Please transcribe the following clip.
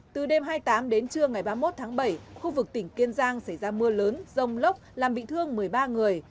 từ đêm hai mươi tám đến trưa ngày ba mươi một tháng bảy khu vực tỉnh kiên giang xảy ra mưa lớn rông lốc làm bị thương một mươi ba người